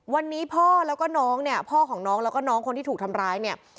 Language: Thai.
วันนี้พ่อแล้วก็น้องเนี่ยพ่อของน้องแล้วก็น้องคนที่ถูกทำร้ายเนี่ย